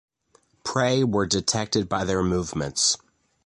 Prey were detected by their movements.